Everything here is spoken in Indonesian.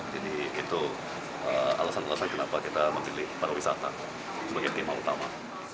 jadi itu alasan alasan kenapa kita memilih pariwisata sebagai tema utama